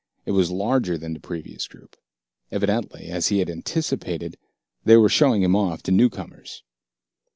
It was larger than the previous group. Evidently, as he had anticipated, they were showing him off to newcomers.